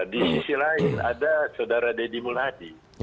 di sisi lain ada saudara dedi mulyadi